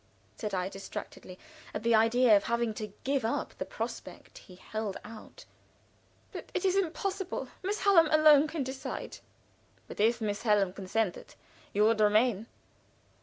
said I, distracted at the idea of having to give up the prospect he held out. "But it is impossible. Miss Hallam alone can decide." "But if Miss Hallam consented, you would remain?"